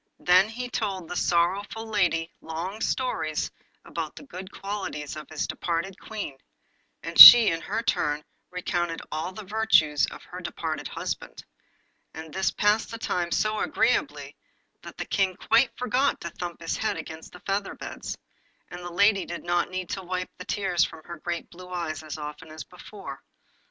Then he told the sorrowful lady long stories about the good qualities of his departed Queen, and she in her turn recounted all the virtues of her departed husband; and this passed the time so agreeably that the King quite forgot to thump his head against the feather beds, and the lady did not need to wipe the tears from her great blue eyes as often as before.